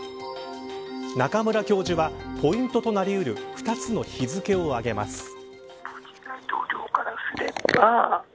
中村教授はポイントとなりうる２つの日付をあげます。